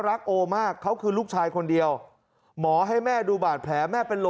โอมากเขาคือลูกชายคนเดียวหมอให้แม่ดูบาดแผลแม่เป็นลม